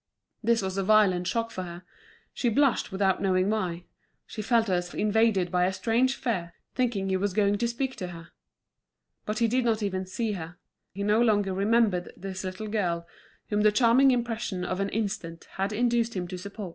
This was a violent shock for her; she blushed without knowing why, she felt herself invaded by a strange fear, thinking he was going to speak to her. But he did not even see her; he no longer remembered this little girl whom the charming impression of an instant had induced him to support.